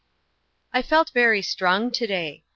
I felt very strong to day.